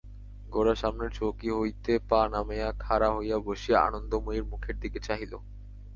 গোরা সামনের চৌকি হইতে পা নামাইয়া খাড়া হইয়া বসিয়া আনন্দময়ীর মুখের দিকে চাহিল।